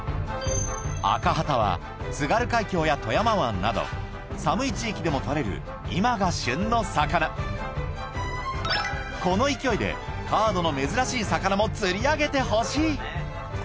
アカハタは津軽海峡や富山湾など寒い地域でも獲れる今が旬の魚この勢いでカードの珍しい魚も釣り上げてほしいＳ